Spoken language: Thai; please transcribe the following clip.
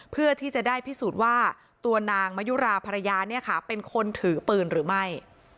เพื่อที่จะได้พิสูจน์ว่าตัวนางมะยุราภรรยาเนี่ยค่ะเป็นคนถือปืนหรือไม่